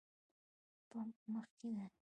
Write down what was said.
پمپ مخکې ده